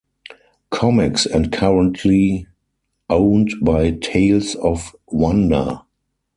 Comics and currently owned by Tales of Wonder.